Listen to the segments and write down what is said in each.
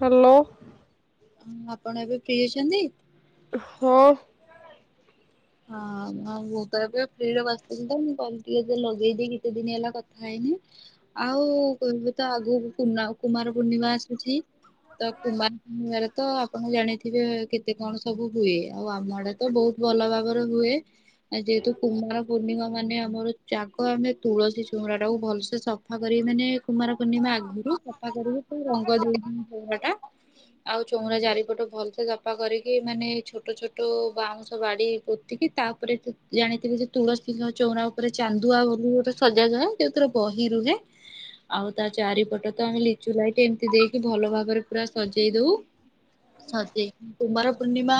Hello. ଆପଣ ଏବେ free ଅଛନ୍ତି? ହଁ। ହଁ ମୁଁ ତ ଏବେ ଫ୍ରିରେ ବସିଥିଲି ତ ମୁଁ କହିଲ ଟିକେ ଯେ ଲଗେଇଦି କିଛି ଦିନ ହେଲା କଥା ହେଇନି। ଆଉ କୁହନ୍ତୁ ତ ଆଗକୁ ପୂର୍ଣ୍ଣ କୁମାର ପୂର୍ଣ୍ଣିମା ଆସୁଚି ତ କୁମାର ପୁର୍ଣିମା ରେ ତ ଆପଣ ଜାଣିଥିବେ କେତେ କଣ ସବୁ ହୁଏ ଆଉ ଆମ ଆଡେ ତ ତ ବହୁତ ଭଲ ଭାବରେ ହୁଏ ଆ ଯେହେତୁ କୁମାର ପୂର୍ଣ୍ଣିମା ମାନେ ଆମର ଜାଗ ଆମେ ତୁଳସୀ ଚୋଉଁରା ଟାକୁ ଭଲସେ ସଫା କରି ମାନେ କୁମାର ପୁର୍ଣ୍ଣିମା ଆଗରୁ ସଫା କରିବି ତା ରଙ୍ଗ ଦେବି ଚୋଉଁରା ଟା ଆଉ ଚୋଉଁରା ଚାରିପଟ ଭଲସେ ସଫା କରିକି ମାନେ ଛୋଟ ଛୋଟ ବାଉଁଶ ବାଡି ପୋତିକି ତାପରେ ତୁ ଜାଣିଥିବୁ ଯେ ତୁଳସୀ ଚଉଁରା ଉପରେ ଚାନ୍ଦୁଆ ବୋଲି ଗୋଟେ ସଜାଯାଏ। ଏଥିରେ ବହି ରୁହେ। ଆଉ ତା ଚାରିପଟ ତ ଆମେ ଲିଚୁ ଲାଇଟି ଏମିତି ଦେଇକି ଭଲ ଭାବରେ ପୁରା ସଜେଇ ଦୋଉ। ସଜେଇ କୁମାର ପୂର୍ଣ୍ଣିମା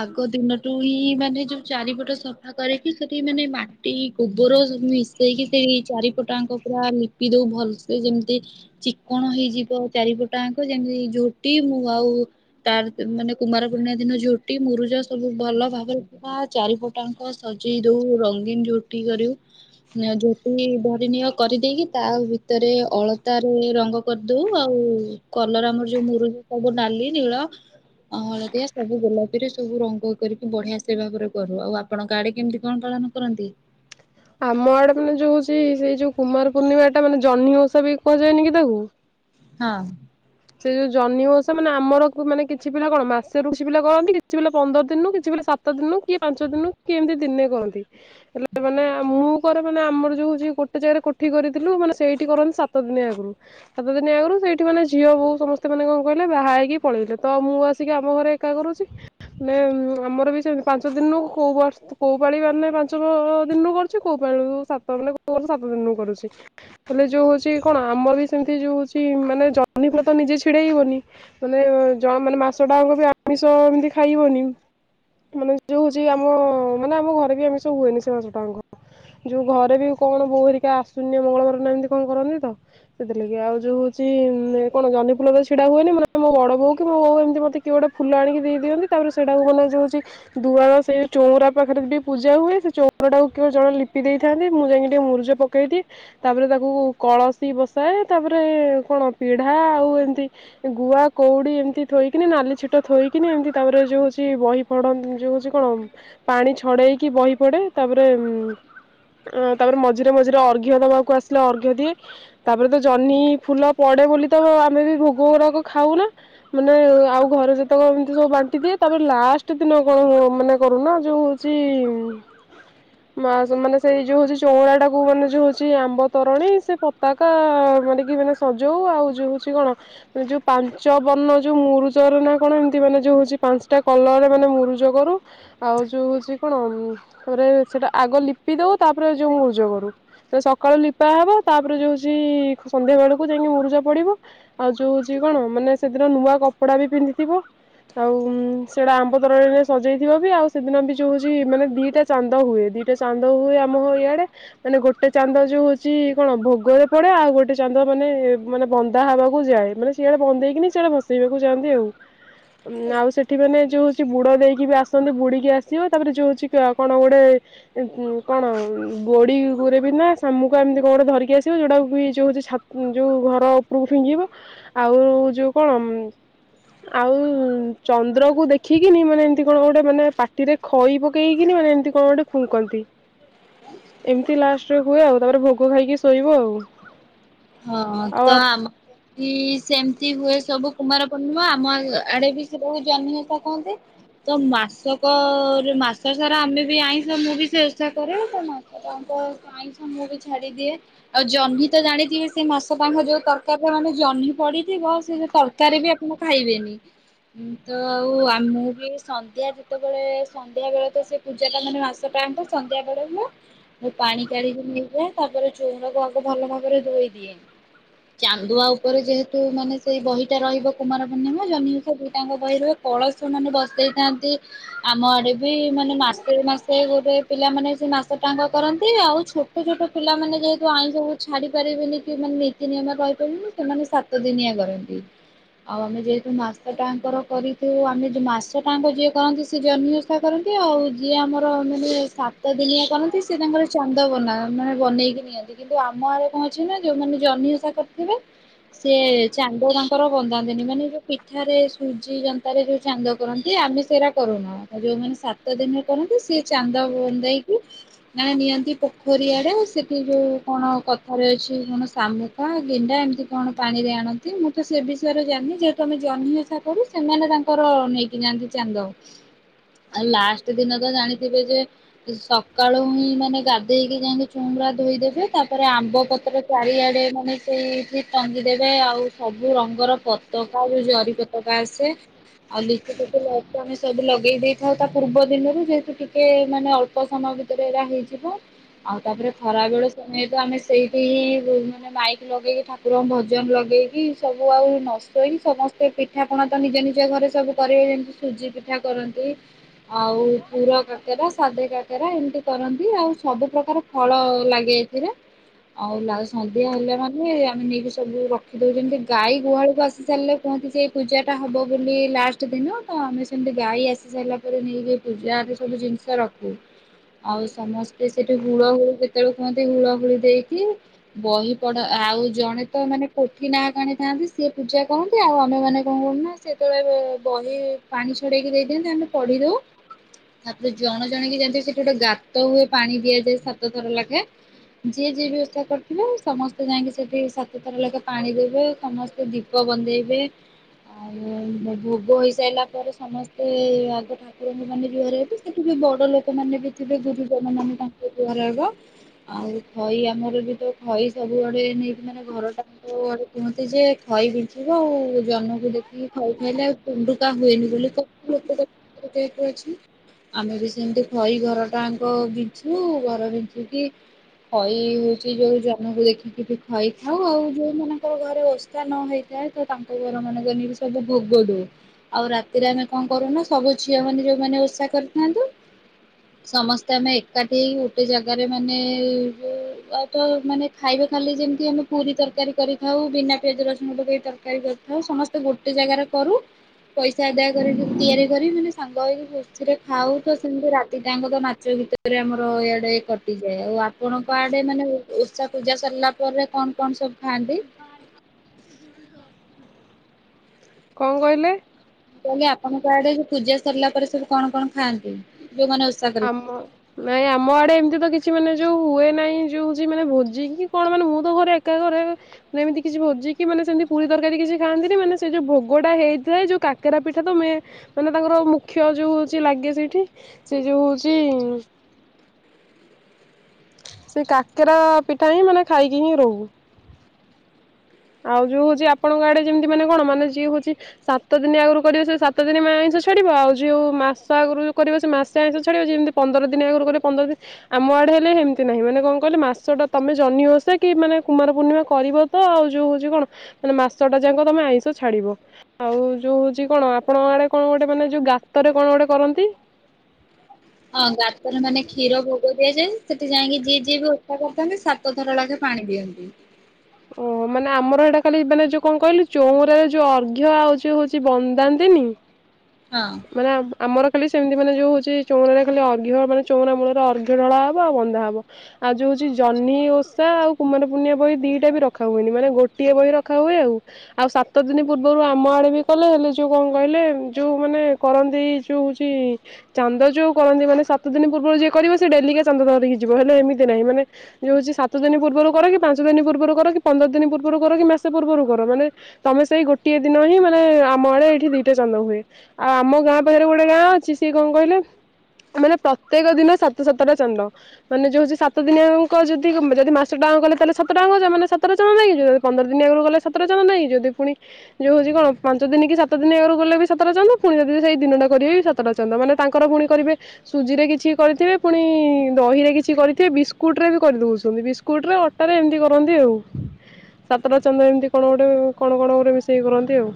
ଆଗ ଦିନଠୁ ହିଁ ମାନେ ଯୋଉ ଚାରିପଟ ସଫା କରିକି ସେଠି ମାନେ ମାଟି ଗୋବର ସବୁ ମିଶେଇକି ସେଇ ଚାରିପଟ ଆଙ୍କ ପୁରା ନିପି ଦୋଉ ଭଲସେ୍ ଯେମିତି ଚିକ୍କଣ ହେଇଯିବ ଚାରିପଟ ଆଙ୍କ ଯେମିତି ଝୋଟି ମୁଁ ଆଉ ତାର ତ ମାନେ କୁମାର ପୂନେଇଁ ଦିନ ଝୋଟି ମୁରୁଜ ସବୁ ଭଲ ଭାବରେ ଚ‌ଉଁରା ଚାରିପଟ ଆଙ୍କ ସଜେଇ ଦୋଉ ରଙ୍ଗୀନ ଝୋଟି କରୁ। ଆଁ ଝୋଟି ଧରିନିଅ କରିଦେଇକି ତା ଭିତରେ ଅଳତାରେ ରଙ୍ଗ କରିଦୋଉ ଆଉ କଲର ଆମର ଯୋଉ ମୁରୁଜ ସବୁ ନାଲି, ନୀଳ ଆଉ ହଳଦିଆ ସବୁ ଗୋଲାପୀରେ ସବୁ ରଙ୍ଗ କରିକି ବଢିଆ ସେ ଭାବରେ କରୁ ଆଉ ଆପଣଙ୍କ ଆଡେ କେମିତି କଣ ପାଳନ କରନ୍ତି? ଆମ ଆଡେ ମାନେ ଯୋଉ ସେଇ ସେଇ ଯୋଉ କୁମାର ପୂର୍ଣ୍ଣିମାଟା ମାନେ ଜହ୍ନି ଓଷା ବି କୁହାଯାନି କି ତାକୁ? ହଁ। ସେ ଯୋଉ ଜହ୍ନି ଓଷା ମାନେ ଆମର କୁ ମାନେ କିଛି ପିଲା କଣ ମାସରୁ କିଛି ପିଲା କରନ୍ତି, କିଛି ପିଲା ପନ୍ଦର ଦିନରୁ କିଛି ପିଲା ସା ତ ଦିନୁ କିଏ ପାଞ୍ଚ ଦିନୁ କି ଏମିତି ଦିନେ କରନ୍ତି। ହେଲେ ମାନେ ମୁଁ କରେ ମାନେ ଆମର ଯୋଉ ହୋଉଚି। ଗୋଟେ ଜାଗାରେ କୋଠି କରିଥିଲୁ ମାନେ ସେଇଠି କରନ୍ତି ସାତ ଦିନି ଆଗରୁ। ସାତ ଦିନ ଆଗରୁ ସେଇଠି ମାନେ ଝିଅ ବୋଉ ସମସ୍ତେ ମାନେ କଣ କହିଲେ ବାହା ହେଇକି ପଳେଇଲେ। ତ ମୁଁ ଆସିକି ଆମ ଘରେ ଏକା କରୁଚି। ନା ଆମର ବି ସେମ୍ ପାଞ୍ଚ ଦିନରୁ କୋଉ ବର୍ଷ କୋଉ ପାଳିି ମାନେ ପାଞ୍ଚ ଦିନରୁ କରୁ ଚି କୋଉ ପାଳିରୁ ସାତ ମାନେ କୋଉ ବର୍ଷ ସାତ ଦିନରୁ କରୁଚି। ହେଲେ ଯୋଉ ହୋଉଚି କଣ ଆମର ବି ସେମିତି ଯୋଉ ହୋଉଚି ମାନେ ଜହ୍ନି ଫୁଲ ତ ନିଜେ ଛିଡେଇବନି। ମାନେ ଯ ମାସଟାଆଙ୍କ ବି ଆମିଷ ଏମତି ଖାଇବନି ମାନେ ଯୋଉ ହୋଉଚି ଆମ ମାନେ ଆମ ଘରେ ବି ଆମିଷ ହୁଏନି ସେ ମାସଟାଙ୍କ। ଯୋଉ ଘରେ ବି କଣ ବୋଉ ହେରିକା ଆଶ୍ଵିନ୍ୟ ମଙ୍ଗଳବାର ନା ଏମିତି କଣ କରନ୍ତି ତ ସେଥିଲାଗି ଆଉ ଯୋଉ ହୋଉଚି ମାନେ କଣ ଜହ୍ନି ଫୁଲ ତ ଛିଡା ହୁଏନି ମାନେ ମୋ ବଡ ବୋଉ କି ମୋ ବୋଉ ଏମିତି ମତେ କିଏ ଗୋଟେ ଫୁଲ ଆଣିକି ଦେଇଦିଅନ୍ତି। ତାପରେ ସେଇଟାକୁ ଗଲେ ଯୋଉ ହୋଉଚି ଦୁଆର ସେ ଚଉଁରା ପାଖରେ ଟିକେ ପୂଜା ହୁଏ। ସେ ଚଉଁରା ଟାକୁ କିଏ ଜଣେ ଲିପି ଦେଇଥାନ୍ତି। ମୁଁ ଯାଇକି ଟିକେ ମୁରୁଜ ପ କେଇଦିଏ ତାପରେ ତାକୁ କଳସୀ ବସାଏ ତାପରେ କଣ ପିଢା ଆଉ ଏମତି ଗୁଆ, କୋଉଡି ଏମିତି ଥୋଇକି ନାଲି ଛିଟ ଥୋଇକିନି ଏମିତି ତାପରେ ଯୋଉ ହୋଉଚି ବହି ପଢନ୍ତ ଯୋଉ ହୋଉଚି କଣ ପାଣି ଛଡେଇକି ବହି ପଢେ ତାପରେ ଅଆ ତାପରେ ମଝିରେ ମଝିରେ ଅର୍ଘ୍ୟ ଦବାକୁ ଆସିଲେ ଅର୍ଘ୍ୟ ଦିଏ ତାପରେ ତ ଜହ୍ନି ଫୁଲ ପଡେ ବୋଲି ତ ଆମେ ବି ଭୋଗଗୁରାକ ଖାଉନା। ମାନେ ଆଉ ଘରେ ଯେତେକ ଏମିତି ସବୁ ବାଣ୍ଟି ଦିଏ। ତାପରେ ଲାଷ୍ଟ ଦିନ କଣ ହୁଅ ମାନେ କରୁନା ଯୋଉ ହୋଉ ଚି ହ ମା ସମାନେ ସେଇ ଯୋଉ ହୋଉଚି ଚଉଁରାଟାକୁ ମାନେ ଯୋଉ ହୋଉଚି ଆମ୍ବ ତ୍ବରଣୀ ସେ ପତାକା ମାରିକି ମାନେ ସଜ ହୋଉ ଆଉ ଯୋଉ ହୋଉଚି କଣ ଯୋଉ ପାଞ୍ଚ ବର୍ଣ୍ଣ ଯୋଉ ମୁରୁଜର ନା କଣ ଏମିତି ମାନେ ଯୋଉ ହୋଉଚି ପାଞ୍ଚଟା କଲରରେ ମାନେ ମୁରୁଜୁ କରୁ। ଆଉ ଯୋଉ ହୋଉଚି କଣ ତାପରେ ସେଟା ଆଗ ଲିପି ଦୋଉ ତାପରେ ଯୋଉ ମୁର୍ଜ କରୁ। ତ ସକାଳୁ ଲିପା ହବ ତାପରେ ଯୋଉ ହୋଉଚି ସନ୍ଧ୍ୟା ବେଳୁ କୁ ଯାଇଁକି ମୁରୁଜ ପଡିବ ଆଉ ଯୋଉ ହୋଉଚି କଣ ମାନେ ସେଦିନ ନୂଆ କପଡା ବି ପିନ୍ଧିଥିବ। ଆଉ ସେଇଟା ଆମ୍ବ ତ୍ବରଣିରେ ସଜେଇ ଥିବ ବି ଆଉ ସେଦିନ ବି ଯୋଉ ହୋଉଚି ମାନେ ଦିଇଟା ଚାନ୍ଦ ହୁଏ ଦିଟା ଚାନ୍ଦ ହୁଏ ଆମ ଇଆଡେ। ମାନେ ଗୋଟେ ଚାନ୍ଦ ଯୋଉ ହଉଛି କଣ ଭୋଗରେ ପଡେ ଆଉ ଗୋଟେ ଚାନ୍ଦ ମାନେ ମାନେ ବନ୍ଦା ହବାକୁ ଯାଏ ମାନେ ସିଆଡେ ବନ୍ଦେଇକିନି ସିଆଡେ ଭସେଇବାକୁ ଯାଆନ୍ତି ଆଉ। ଉଁ ଆଉ ସେଠି ମାନେ ଯୋଉ ହଉଛି ବୁଡ ଦେଇକି ବି ଆସନ୍ତି ବୁଡିକି ଆସିବ ତାପରେ ଯୋଉ ହଉଛି କା କଣ ଗୋଟେ ଉଁ-ଉଁ କଣ ଗୋଡିଗୁରେ ବି ନା ଶାମୁକା ଏମିତି କଣ ଗୋଟେ ଧରିକି ଆସିବେ ଯୋଉଟାକୁ କି ଯୋଉ ହଉଛି ଛା ଯୋଉ ଘର ଉପରକୁ ଫିଙ୍ଗିବ ଆଉ ଯୋଉ କଣ ଆଉ ଚନ୍ଦ୍ରକୁ ଦେଖିକିନି ମାନେ ଏମିତି କଣ ଗୋଟେ ମାନେ ପାଟିରେ ଖଇ ପକେଇକିନି ମାନେ ଏମିତି କଣ ଗୋଟେ ଫୁଙ୍କନ୍ତି। ଏମିତି ଲାଷ୍ଟକୁ ହୁଏ ଆଉ, ତାପରେ ଭୋଗ ଖାଇକି ଶୋଇବ ଆଉ। ହଁ-ହଁ ଆଉ ତ ଆପ ଆମ୍ କି-ଇ-ଇ ସେମିତି ହୁଏ ସବୁ କୁମାର ପୂର୍ଣ୍ଣିମା ଆମ ଆ ଆଡେ ବି ସେ ବହୁତ ଜହ୍ନିଓଷା କହନ୍ତି। ତ ମାସକର ମାସ ସାରା ଆମେ ବି ଆଇଁଷ ମୁଁ ବି ସେ ଓଷା କରେ ତ ମାସ୍ ତାଙ୍କ [inaudible] ଆଇଁଷ ମୁଁ ବି ଛାଡିଦିଏ ଆଉ ଜହ୍ନି ତ ଜାଣିଥିବେ ସେ ମାସଟାଯାଙ୍କ ଯୋଉ ତରକାରୀରେ ମାନେ ଜହ୍ନି ପଡିଥିବ ସେ ଯୋଉ ତରକାରୀ ବି ଆପଣ ଖାଇବେନି। ହୁଁ ତ ଆଉ ଆମେ ବି ସନ୍ଧ୍ୟା ଯେତେବେଳେ ସନ୍ଧ୍ୟା ବେଳେ ତ ସେ ପୂଜାଟା ମାନେ ମାସଟାଯାଙ୍କ ସନ୍ଧ୍ୟା [unintelligible] ମୁଁ ପାଣି କାଢିକି ନେଇଯାଏ ତାପରେ ଚଉରାକୁ ଆଗ ଭଲ ଭାବରେ ଧୋଇ ଦିଏ। ଚାନ୍ଦୁଆ ଉପରେ ଯେହେତୁ ମାନେ ସେଇ ବହିଟା ରହିବ କୁମାର ପୂର୍ଣ୍ଣିମା ଜହ୍ନି ଓଷା ଦିଟାଯାଙ୍କ ବହି ରହି କଳସ ମାନେ ବସେଇଥାନ୍ତି। ଆମ ଆଡେ ବି ମାନେ ମାସେ ମାସେ ଗୋଟେ ପିଲାମାନେ ସେ ମାସଟାଯାଙ୍କ କରନ୍ତି ଆଉ ଛୋ ଛୋଟ ଛୋଟ ପିଲାମାନେ ଯେହେତୁ ଆଇଁଷକୁ ଛାଡି ପାରିବେନି ଯୋଉମାନେ ନୀତି ନିୟମରେ ରହିପାରନ୍ତିନି ସେମାନେ ସାତ ଦିନିଆ କରନ୍ତି। ଆଉ ଆମେ ଯେହେତୁ ମାସଟାଯାଙ୍କର କରିଥାଉ ଆମେ ଯୋଉ ମାସଟାଯାଙ୍କ ଯିଏ କରନ୍ତି ସେ ଜହ୍ନି ଓଷ୍ ଓଷା କରନ୍ତି ଆଉ ଯିଏ ଆମର ମାନେ ସାତ ଦିନିଆ କରନ୍ତି ସେ ତାଙ୍କର ଚାନ୍ଦ ବନା ମାନେ ବନେଇକି ନିଅନ୍ତି। କିନ୍ତୁ ଆମ ଆଡେ କଣ ଅଛି ନା ଯୋଉମାନେ ଜହ୍ନି ଓଷା କରିଥିବେ ସେ ଚାନ୍ଦ ତାଙ୍କର ବନ୍ଦାନ୍ତିନି ମାନେ ଯୋଉ ପିଠାରେ ସୁଜି ଯନ୍ତାରେ ଯୋଉ ଚାନ୍ଦ କରନ୍ତି, ଆମେ ସେରା କରୁନା ଯୋଉମାନେ ସାତ ଦିନ କରନ୍ତି ସେ ଚାନ୍ଦ ବନ୍ଦେଇକି ମାନେ ନିଅନ୍ତି ପୋଖରୀଆଡେ ଆଉ ସେଠି ଯୋଉ କଣ କଥାରେ ଅଛି ଯୋଉ କଣ ଶାମୁକା ଗେଣ୍ଡା ଏମିତି କଣ ପାଣିରେ ଆଣନ୍ତି ମୁଁ ତ ସେ ବିଷୟରେ ଜାଣିନି ଯେହେତୁ ଆମେ ଜହ୍ନି ଓଷା କରି, ସେମାନେ ତାଙ୍କର ନେଇକି ଯାଆନ୍ତି ଚାନ୍ଦ। ଆଉ ଲାଷ୍ଟ୍ ଦିନ ତ ଜାଣିଥିବେ ଯେ ସକାଳୁ ହିଁ ମାନେ ଗାଧେଇକି ଯାଇଁକି ଚଉଁରା ଧୋଇଦେବେ ତାପରେ ଆମ୍ବ ପତ୍ର ଚାରିଆଡେ ମାନେ ସେଇଠି ଟାଙ୍ଗି ଦେବେ ଆଉ ସବୁ ରଙ୍ଗର ପତକା ଯୋଉ ଜରିପରି [unintelligible] ଆସେ। ଆଉ ଲିଚୁ ଫିଚୁ [unintelligible] ଆମେ ସବୁ ଲଗେଇ ଦେଇଥାଉ ତା ପୂର୍ବ ଦିନରୁ ଯେହେତୁ ଟିକେ ମାନେ ଅଳ୍ ଅଳ୍ପ ସମୟ ଭିତରେ ଏରା ହେଇଯିବ, ଆଉ ତାପରେ ଖରାବେଳ ସମୟ ତ ଆମେ ସେଇଠି ହିଁ ଯୋଉ ମାନେ ମାଇକ୍ ଲଗେଇକି ଠାକୁରଙ୍କ ଭଜନ ଲଗେଇକି ସବୁ ଆଉ ନ ଶୋଇ ସମସ୍ତ୍ ସେ ପିଠାପଣା ତ ନିଜ ନିଜ ଘରେ ସବୁ କରିବେ ଯେମତି ସୁଜି ପିଠା କରନ୍ତି ଆଉ ପୁର କାକରା ସାଧେ କାକ୍ କାକେରା ଏମିତି କରନ୍ତି ଆଉ ସବୁ ପ୍ରକାର ଫଳ ଲାଗେ ଏଥିରେ, ଆଉ ଲାଷ୍ ସଂଧ୍ୟା ହେଲା ମାନେ ଆମେ ନେଇକି ସବୁ ରଖିଦଉଛନ୍ତି ଗାଈ ଗୁହାଳକୁ ଆସି ସାରିଲେ କୁହନ୍ତି ଯେ ପୂଜାଟା ହବ ବୋଲି ଲାଷ୍ଟ ଦିନ, ତ ଆମେ ସେମିତି ଗାଈ ଆସି ସାରିଲା ପରେ ନେଇକି ପୂଜାର ସବୁ ଜିନିଷ ରଖ୍ [inaudible] ଆଉ ସମସ୍ତେ ସେଠି ହୁଳହୁଳି ଯେତେବେଳେ କୁହନ୍ତି ହୁଳହୁଳି ଦେଇକି ବହି ପଢା ଆଉ ଜଣେ ତ ମାନେ ପୋଥି ନାଁଆକୁ ଆଣିଥାନ୍ତି ସିଏ ପୂଜା କହନ୍ତି ଆଉ ଆମେ ମାନେ କଣ କରୁନା ସେ ଯେତେବେଳେ ବହି ପାଣି ଛଡେଇକି ଦେଇଦିଅନ୍ତ ଆମେ ପଢି ଦଉ। ତାପରେ ଜଣ ଜଣ କି ଜେନ୍ତି ସେଠି ଗୋଟେ ଗାତ ହୁଏ ପାଣି ଦିଆଯାଏ ସାତ ଥର ଲାଖେ ଯିଏ ଯିଏ ଓଷା କର ସମସ୍ତେ ଯାଇକି ସେଠି ସାତଥର ଲାଖେ ପାଣି ଦେବେ ସମସ୍ତେ ଦୀପ ବନ୍ଦେଇବେ। ଆଉ ଭୋଗ ହେଇସାରିଲା ପରେ ସମସ୍ତେ ଆଗ ଠା ଠାକୁର ଙ୍କୁ ମାନେ ଜୁହାର ହେବି। ସେଠି ବି ବଡ଼ ଲୋକ ମାନେ ବି ଥିବେ ଗୁରୁଜନ ମାନେ ତାଙ୍କୁ ଜୁହାର ହବ। ଆଉ ଖଇ ଆମର ବି ତ ଖଇ ସବୁଆଡେ ନେଇକି ମାନେ ଘର ଟା ଯାଙ୍କ କୁହନ୍ତି ଯେ ଖଇ ବିଞ୍ଚିବ। ଆଉ ଜହ୍ନ କୁ ଦେଖିକି ଖଇ ଖାଇଲେ ଆଉ ତୁଣ୍ଡୁକା ହୁଏନି ବୋଲି କ [unintelligible] ଆମେ ବି ସେମତି ଖଇ ଘର ଟାଙ୍କ ବିଞ୍ଚୁ ଘର ବିଞ୍ଚିକିି ଖଇ ହଉଚି ଯୋଉ ଜା ଜହ୍ନ କୁ ଦେଖିକି ବି ଖଇ ଖାଉ। ଆଉ ଯୋଉମାନଙ୍କର ଘରେ ଓଷା ନ ହେଇଥାଏ ତ ତାଙ୍କ ତାଙ୍କରି ଘର ମାନଙ୍କରେ ନେଇକି ସବୁ ଭୋଗ ଦଉ। ଆଉ ରାତିରେ ଆମେ କଣ କରୁନା ଝି ଝିଅମାନେ ଯୋଉମାନେ ଓଷା କରିଥାନ୍ତୁ ସମସ୍ତେ ଆମେ ଏକାଠି ହେଇ ଗୋଟେ ଜାଗାରେ ମାନେ ଯୋଉ ଆଉ ତ ମାନେ ଖାଇବା ଖାଲି ଯେମିତି ଆମେ ପୁରୀ ତରକାରୀ କରି ଖାଉ। ବିନା ପିଆଜ ରସୁଣ ପକେଇ ତରକାରୀ କରୁ ଖାଉ। ସମସ୍ତେ ଗୋଟେ ଜାଗାରେ କରୁ। ପଇସା ଆଦାୟ କରିକି ତିଆରି କରି ମାନେ ସାଙ୍ଗ ହୋଇକି ଖୁସିରେ ଖାଉ। ତ ସେମିତି ରାତି ଟାଇମ୍ ନାଚ ଗୀତରେ ଆମର ଇଆଡେ କଟିଯାଏ। ଆଉ ଆପଣଙ୍କ ଆଡେ ମାନେ ଓଷା ପୂଜା ସରିଲା ପରେ କଣ କଣ ସବୁ ଖାଆନ୍ତି? କଣ କହିଲେ? ମୁଁ କହିଲି ଆପଣଙ୍କ ଆଡେ ପୂଜା ସରିଲା ପରେ ସବୁ କଣ କଣ ଖାଆନ୍ତି? ଯୋଉମାନେ ଓଷା ଆମ କରିଥାନ୍ତି? ନାଇଁ ଆମ ଆଡେ ଏମତି ତ କିଛି ମାନେ ଯୋଉ ହୁଏ ନାହିଁ ଯୋଉ ହଉଚି ମାନେ ଭୋଜିି କି କଣ ମାନେ ମୁଁ ତ ଘରେ ଏକା କରେ। ଏମିତି କିଛି ଭୋଜିିକି ମାନେ ସେମିତି ପୁରୀ ତରକାରୀ କିଛି ଖାଆନ୍ତିନି। ମାନେ ସେ ଯୋଉ ଭୋଗଟା ହେଇଥାଏ ଯୋଉ କାକେରା ପିଠା ତ ମେ ମାନେ ତାଙ୍କର ମୁଖ୍ୟ ଯୋଉ ହଉଚି ଲାଗେ ସେଇଠି। ସେ ଯୋଉ ହଉଚି ସେ କାକେରା ପିଠା ହିଁ ମାନେ ଖାଇକି ହିଁ ରହୁ। ଆଉ ଯୋଉ ହଉଚି ଆପଣଙ୍କ ଆଡେ ଯେମିତି ମାନେ କଣ ମାନେ ଯିଏ ହଉଚି ସାତ ଦିନି ଆଗରୁ କରିବ ସେ ସାତ ଦିନି ଆଇଁଷ ଛାଡିବ। ଆଉ ଯୋଉ ମାସ ଆଗରୁ ଯଉ କରିବ ସେ ମାସେ ଆଇଁଷ ଛାଡିବ। ଯେମିତି ପନ୍ଦର ଦିନ ଆଗରୁ କରିବ ପନ୍ଦର ଦିନି ଆମ ଆଡେ ହେଲେ ହେମିତି ନାହିଁ। ମାନେ କଣ କହିଲେ ମାସଟା ତମେ ଜହ୍ନି ଓଷା କି ମାନେ କୁମାର ପୂର୍ଣ୍ଣିମା କରିବ ତ ଆଉ ଯୋଉ ହଉଚି କଣ ମାନେ ମାସ ଟା ଯାଙ୍କ ତମେ ଆଇଁଷ ଛାଡିବ। ଆଉ ଯୋଉ ହଉଚି କଣ ଆପଣଙ୍କ ଆଡେ କଣ ଗୋଟେ ମାନେ ଯୋଉ ଗାତରେ କଣ ଗୋଟେ କରନ୍ତି? ହଁ ଗାତରେ ମାନେ କ୍ଷୀର ଭୋଗ ଦିଆଯାଏ। ସେଠି ଯାଇକି ଯିଏ ଯିଏ ବି ଓଷା କରିଥାନ୍ତି ସା ସାତ ଥର ଲାଖେ ପାଣି ଦିଅନ୍ତି। ଓହୋ। ମାନେ ଆମର ହେଇଟା ଖାଲି ମାନେ ଯୋଉ କଣ କହିଲୁ ଚଉରାରେ ଯୋଉ ଅର୍ଘ ଆଉ ଯୋଉ ହଉଚି ବନ୍ଦାନ୍ତିନି ହଁ। ମାନେ ଆମ୍ ଆମର ଖାଲି ସେମିତି ମାନେ ଯୋଉ ହଉଚି ଚଉରା ରେ ଖାଲି ଅର୍ଘ ମାନେ ଚଉରା ମୂଳରେ ଅର୍ଘ ଢଳା ହବ ଆଉ ବନ୍ଦା ହବ। ଆଉ ଯୋଉ ହଉଚି ଜହ୍ନି ଓଷା ଆଉ କୁମାର ପୁର୍ଣିମା ବହି ଦିଟା ବି ରଖା ହୁଏନି ମାନେ ଗୋଟିଏ ବହି ରଖା ହୁଏ ଆଉ। ଆଉ ସାତ ଦିନ ପୂର୍ବରୁ ଆମ ଆଡେ ବି କଲେ ହେଲେ ଯୋଉ କଣ କହିଲେ ଯୋଉ ମାନେ କରନ୍ତି ଯୋଉ ହଉଚି ଚାନ୍ଦ ଯୋଉ କରନ୍ତି, ମାନେ ସାତ ଦିନ ପୂର୍ବରୁ ଯିଏ କରିବ ସେ ଡେଲି କା ଚାନ୍ଦ ଧରିିକି ଯିବ। ହେଲେ ଏମିତି ନାହିଁ। ମାନେ ଯଉ ହଉଚି ସାତ ଦିନ ପୂର୍ବରୁ କର କି ପାଞ୍ଚ ଦିନ ପୂର୍ବରୁ କର କି ପନ୍ଦର ଦିନ ପୂର୍ବରୁ କର କି ମାସେ ପୂର୍ବରୁ କର ମାନେ ତମେ ସେଇ ଗୋଟିଏ ଦିନ ହିଁ ମାନେ ଆମ ଆଡେ ଏଇଠି ଦିଟା ଚାନ୍ଦ ହୁଏ। ଆଉ ଆମ ଗାଁ ପାଖରେ ଗୋଟେ ଗାଁ ଅଛି ସିଏ କଣ କହିଲେ ତ ମାନେ ପ୍ରତ୍ୟେକ ଦିନ ସାତ ସାତଟା ଚାନ୍ଦ। ମାନେ ଯୋଉ ହୋଉଚି ସାତ ଦିନିଆଙ୍କ ଯଦି କ ଯଦି ମାସ ଟାଙ୍କ କଲେ ତାହେଲେ ସାତ ଟା [unintelligible] ମାନେ ସାତଟା ଚାନ୍ଦ ନେଇକିଯିବେ। ପନ୍ଦର ଦିନ ଆଗରୁ ଗଲେ ସାତଟା ଚାନ୍ଦ ନେଇକି ଯିବୁ। ଯଦି ପୁଣି ଯୋଉ ହଉଛି କଣ ପାଞ୍ଚ ଦିନ କି ସାତ ଦିନ ଆଗରୁ ଗଲେ ବି ସେ ସାତଟା ଚାନ୍ଦ ପୁଣି ଯଦି ସେଇ ଦିନଟା କରିବେ ସାତଟା ଚାନ୍ଦ ମାନେ ତାଙ୍କର ପୁଣି କରିବେ ସୁଜିରେ କିଛି କରିଥିବେ ପୁଣି ଦହିରେ କିଛି କରିଥିବେ ବିସ୍କୁଟ ରେ ବି କରିଦଉଛନ୍ତି ବିସ କୁଟରେ ଅଟାରେ ଏମିତି କରନ୍ତି ଆଉ। ସାତଟା ଚାନ୍ଦ ଏମିତି କଣ ଗୋଟେ କଣ କଣ ଗୋଟେ ମିଷେଇକି କରନ୍ତି ଆଉ।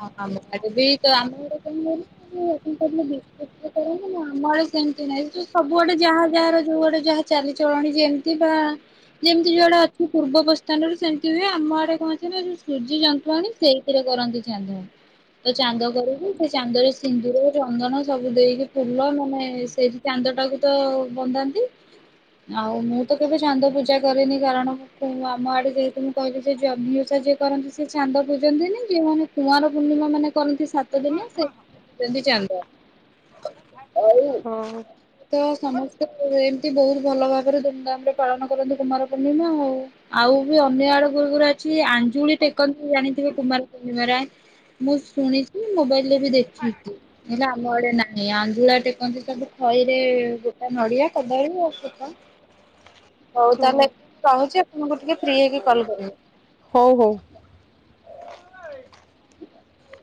ହଁ ଆମ ଆଡେ ବି ତ ଆମ ଆଡେ [unintelligible] [unintelligible] ନା ଆମର ସେମିତି ନାହିଁଯୋଉ ସବୁ ଆଡେ ଯାହା ଯାହାର ଯୋଉ ଆଡେ ଯାହା ଚାଲିଚଳଣି ଯେମିତି ବା ଯେମିତି ଯୋଉଆଡେ ଅଛି ପୂର୍ବ ପ୍ରସ୍ଥାନରେ ସେମିତି ହୁଏ ଆମ ଆଡେ କଣ ଅଛିନା ସୁଜି ଯନ୍ତୁଆଣି ସେଇଥିରେ କରନ୍ତି। ଚାନ୍ଦୁ। ତ ଚାନ୍ଦ କରିକି ସେ ଚାନ୍ଦରେ ସିନ୍ଦୁର ଚନ୍ଦନ ସବୁ ଦେଇକି ଫୁଲ ମାନେ ସେଇ ଚାନ୍ଦ ଟାକୁ ତ ବନ୍ଦାନ୍ତି। ଆଉ ମୁଁ ତ କେବେ ଚାନ୍ଦ ପୂଜା କରିନି କାରଣ ଆମ ଆଡେ ଯେହେତୁ ମୁଁ କହିଲେ ସେଇ ଯନହିଁଓଷା ଯିଏ କରନ୍ତି ସିଏ ଚାନ୍ଦ ପୂଜନ୍ତିନିକି ମୁଁ କଇନି କୁଆଁର ପୂର୍ଣ୍ଣିମା ମାନେ କରନ୍ତି। ସା ଆଉ [inaudible] ହଁ। ତ ସମସ୍ତେ ଏମତି ବହୁତ ଭଲ ଭାବରେ ଧୁମଧାମ ରେ ପାଳନ କରନ୍ତି କୁମାର ପୂର୍ଣ୍ଣିମା ଆଉ। ଆଉ ବି ଅନ୍ୟ ଆଡେ ଗୁରୁ ଗରା ଅଛି ଆଞ୍ଜୁଳି ଟେକନ୍ତି ଜାଣିଥିବେ କୁମାର ପୂର୍ଣ୍ଣିମାରେ ଆଁଏ। ମୁଁ ଶୁଣିଛି ମୋବାଇଲରେ ବି ଦେଖିଛି। ହେଲେ ଆମ ଆଡେ ନାହିଁ। ଆଞୁଳା ଟେକନ୍ତି ସବୁ ଖଇରେ ଗୋଟା ନଡିଆ କଦଳୀ ଆଉ ଫୁଲ। ହଉ ତାହେଲେ ହଁ ରହୁଛି ଆପଣଙ୍କୁ ଟିକେ ଫ୍ରି ହେଇକି କଲ କରିବି। ହଉ ହଉ। ହ [inaudible]